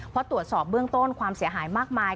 เพราะตรวจสอบเบื้องต้นความเสียหายมากมาย